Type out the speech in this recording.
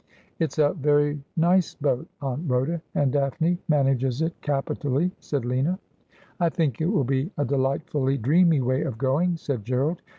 ' It is a very nice boat, Aunt Rhoda, and Daphne manages it capitally,' said Lina. ' I think it will be a delightfully dreamy way of going,' said Gerald.